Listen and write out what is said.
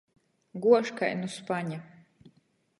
Guož kai nu spaņa.